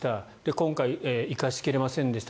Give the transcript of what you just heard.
今回、生かしきれませんでした。